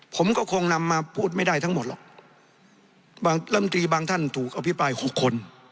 ผมก็คงนำมาพูดไม่ได้ทั้งหมดหรอกบางลำตรีบางท่านถูกอภิปรายหกคน